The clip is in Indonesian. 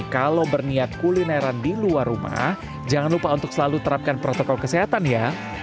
kalau berniat kulineran di luar rumah jangan lupa untuk selalu terapkan protokol kesehatan ya